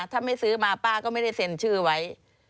ถ้าไม่ซื้อมาป้าก็ไม่ได้เซ็นชื่อไว้